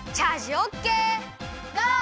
ゴー！